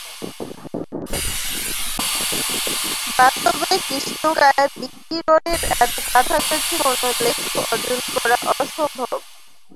বাস্তবে কৃষ্ণকায় বিকিরণের এতো কাছাকাছি কোন লেখ অর্জন করা অসম্ভব।